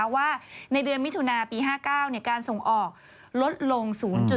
ว่าในเดือนมิถุนาปี๕๙การส่งออกลดลง๐๗